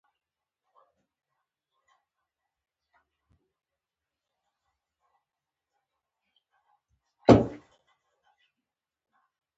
د غږ د ناستې لپاره باید څه شی وخورم؟